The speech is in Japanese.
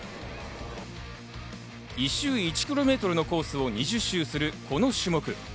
１週１ｋｍのコースを２０周するこの種目。